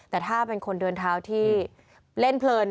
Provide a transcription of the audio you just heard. แต่ถ้าเป็นคนเดินเท้าที่เล่นเพลิน